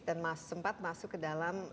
dan sempat masuk ke dalam